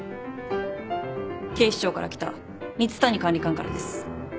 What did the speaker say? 警視庁から来た蜜谷管理官からです。